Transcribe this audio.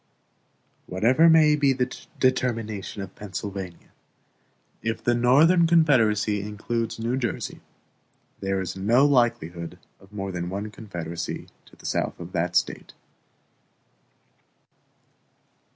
Whatever may be the determination of Pennsylvania, if the Northern Confederacy includes New Jersey, there is no likelihood of more than one confederacy to the south of that State.